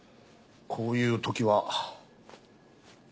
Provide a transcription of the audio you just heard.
こういうときは。